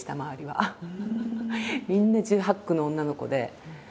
みんな１８１９の女の子で。